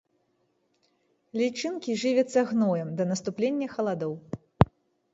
Лічынкі жывяцца гноем да наступлення халадоў.